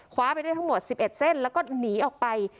ไปได้ทั้งหมด๑๑เส้นแล้วก็หนีออกไป